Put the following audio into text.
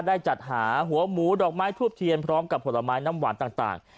ได้จัดหาหัวหมูดอกไม้ทูบเทียนพร้อมกับผลไม้น้ำหวานต่าง